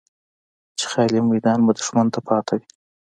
چې خالي میدان به دښمن ته پاتې وي.